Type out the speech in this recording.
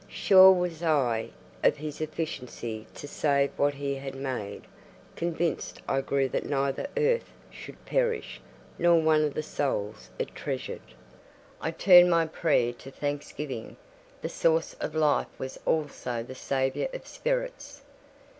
Sure was I of His efficiency to save what He had made: convinced I grew that neither earth should perish, nor one of the souls it treasured. I turned my prayer to thanksgiving: the Source of Life was also the Saviour of spirits.